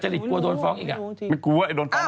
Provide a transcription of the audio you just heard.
จากกระแสของละครกรุเปสันนิวาสนะฮะ